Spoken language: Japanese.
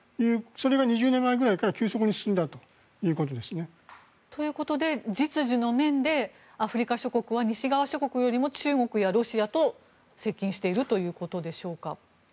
それが２０年くらい前から急速に進んだということですね。ということで、実需の面でアフリカ諸国は西側諸国よりも中国やロシアと接近しているということでしょうか？